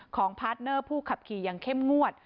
พาร์ทเนอร์ผู้ขับขี่อย่างเข้มงวด